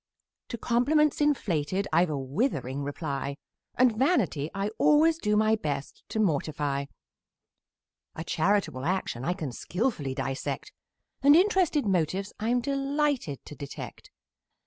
To compliments inflated I've a withering reply; And vanity I always do my best to mortify; A charitable action I can skilfully dissect: And interested motives I'm delighted to detect.